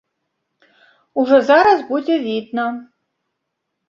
Ужо зараз будзе відна.